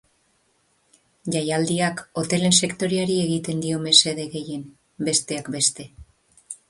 Jaialdiak hotelen sektoreari egiten dio mesede gehien, besteak beste.